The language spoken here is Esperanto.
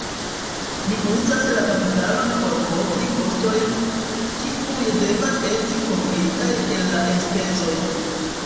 Ni uzas la kapitalon por kovri kostojn, kiuj devas esti kovritaj el la enspezoj.